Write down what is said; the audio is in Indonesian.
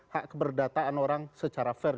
hak keberdataan orang secara fair